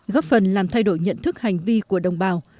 góp phần làm thay đổi nhận thức hành vi của đồng bào